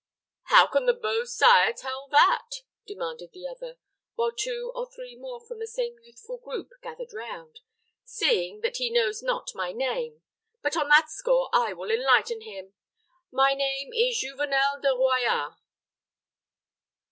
"How can the Beau Sire tell that?" demanded the other, while two or three more from the same youthful group gathered round, "seeing that he knows not my name. But on that score I will enlighten him. My name is Juvenel de Royans."